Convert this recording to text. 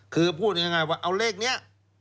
คือพูดยังไงว่าเอาเลขนี้